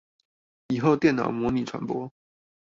以後電腦模擬傳播